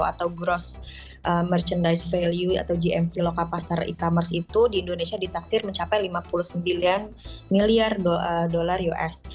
atau gross merchandise value atau gmv lokal pasar e commerce itu di indonesia ditaksir mencapai lima puluh sembilan miliar dolar us